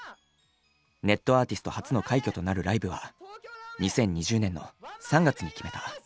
ネットアーティスト初の快挙となるライブは２０２０年の３月に決めた。